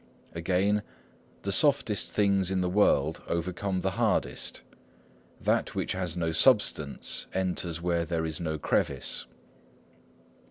Again, "The softest things in the world overcome the hardest; that which has no substance enters where there is no crevice."